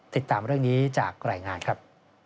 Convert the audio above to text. ติดตามเรื่องนี้จากรายงานครับ